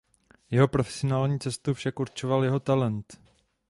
Jeho profesionální cestu však určoval jeho talent.